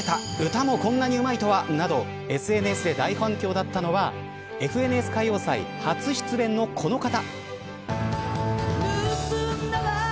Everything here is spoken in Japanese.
歌もこんなにうまいとは、などＦＮＳで大反響だったのはＦＮＳ歌謡祭初出演のこの方。